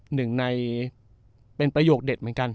หนึ่งในเป็นประโยคเด็ดเหมือนกัน